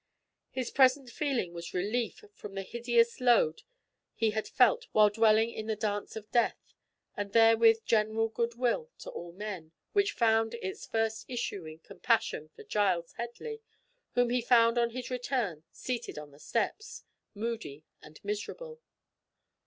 His present feeling was relief from the hideous load he had felt while dwelling on the Dance of Death, and therewith general goodwill to all men, which found its first issue in compassion for Giles Headley, whom he found on his return seated on the steps—moody and miserable.